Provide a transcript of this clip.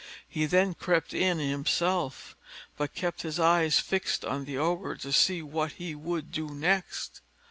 He then crept in himself, but kept his eye fixed on the Ogre, to see what he would do next.